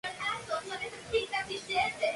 Apareció por primera vez en Humor es...